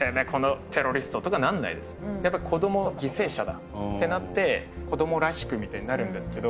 やっぱり子どもは犠牲者だってなって子どもらしくみたいになるんですけど。